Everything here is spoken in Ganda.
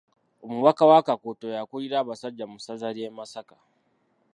Omubaka wa Kakuuto y'akulira abasajja mu ssaza lye Masaka.